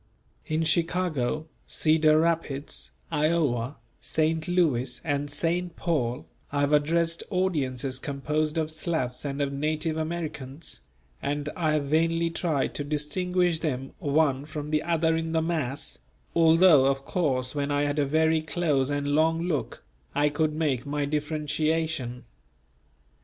In Chicago, Cedar Rapids, Iowa, St. Louis and St. Paul I have addressed audiences composed of Slavs and of native Americans; and I have vainly tried to distinguish them one from the other in the mass, although of course when I had a very close and long look, I could make my differentiation.